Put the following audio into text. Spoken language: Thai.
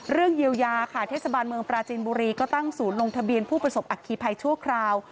เยียวยาค่ะเทศบาลเมืองปราจีนบุรีก็ตั้งศูนย์ลงทะเบียนผู้ประสบอัคคีภัยชั่วคราว